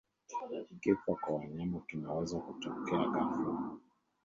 Kifo kwa wanyama kinaweza kutokea ghafla